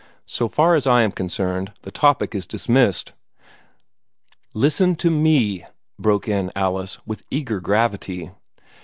So far as I am concerned, the topic is dismissed." "Listen to me!" broke in Alice, with eager gravity.